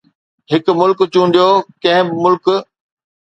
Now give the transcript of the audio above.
هڪ ملڪ چونڊيو، ڪنهن به ملڪ